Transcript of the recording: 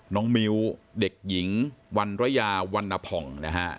น้องมิวเด็กหญิงวันระยาวันนภอง